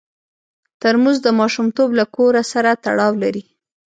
ترموز د ماشومتوب له کور سره تړاو لري.